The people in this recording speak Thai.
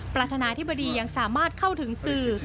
ประธานาธิบดียังสามารถเข้าถึงสื่อ